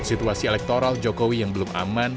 situasi elektoral jokowi yang belum aman